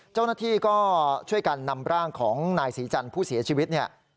เจ้าหน้าที่ก็ช่วยกันนำร่างของนายศรีจันทร์ผู้เสียชีวิตเนี่ย